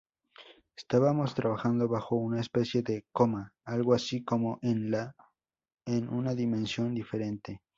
Estábamos trabajando bajo una especie de "coma", algo así como en una dimensión diferente.